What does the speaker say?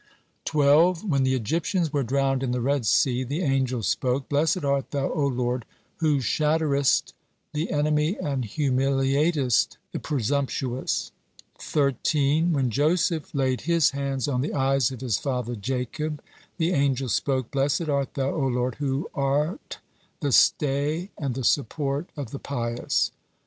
12. When the Egyptians were drowned in the Red Sea, the angels spoke: "Blessed art Thou, O Lord, who shatterest the enemy and humiliatest the presumptuous." 13. When Joseph laid his hands on the eyes of his father Jacob, the angels spoke: "Blessed art Thou, O Lord, who are the stay and the support of the pious."